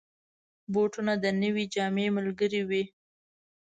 بوټونه د نوې جامې ملګري وي.